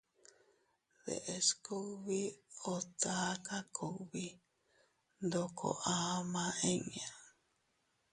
Deʼes kugbi o taka kugbi ndoko ama inña.